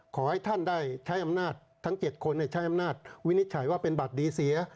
ขอให้ท่านได้ใช้อำนาจทั้ง๗คนใช้อำนาจวินิจฉัยว่าเป็นบัตรดีเสีย